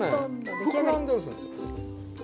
膨らんでるんですよ。